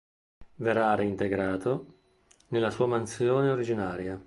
Verrà reintegrato nella sua mansione originaria.